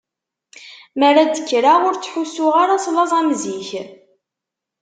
Mi ara d-kkreɣ ur ttḥussuɣ ara s laẓ am zik.